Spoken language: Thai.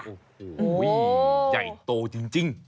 โอ้โหใหญ่โตจริง